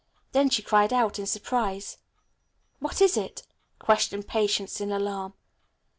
Then she cried out in surprise. "What is it?" questioned Patience in alarm.